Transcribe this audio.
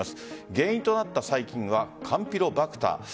原因となった細菌はカンピロバクター。